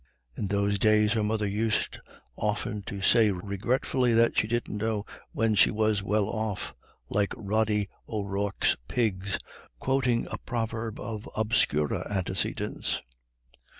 In those days her mother used often to say regretfully that she didn't know when she was well off, like Rody O'Rourke's pigs, quoting a proverb of obscurer antecedents.